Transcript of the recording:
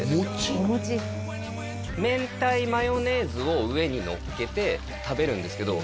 へえ明太マヨネーズを上にのっけて食べるんですけど